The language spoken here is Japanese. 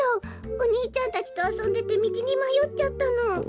おにいちゃんたちとあそんでてみちにまよっちゃったの。